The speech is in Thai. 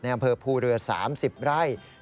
อำเภอภูเรือ๓๐ไร่